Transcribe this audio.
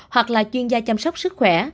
hoặc là chuyên gia chăm sóc sức khỏe